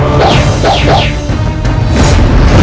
apakah yang kami